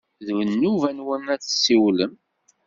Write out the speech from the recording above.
D nnuba-nwen ad d-tessiwlem.